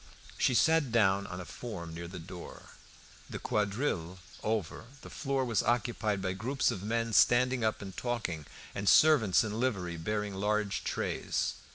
She sat down on a form near the door. The quadrille over, the floor was occupied by groups of men standing up and talking and servants in livery bearing large trays.